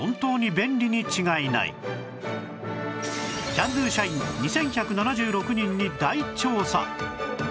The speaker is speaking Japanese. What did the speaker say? キャンドゥ社員２１７６人に大調査